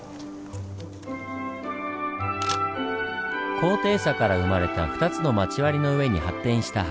高低差から生まれた二つの町割の上に発展した博多。